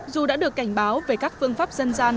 dù đã được cảnh báo về các phương pháp dân gian